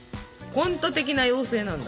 コント的な妖精なんだ？